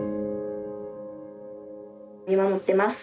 見守ってます。